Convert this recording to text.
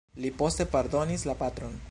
Li poste pardonis la patron.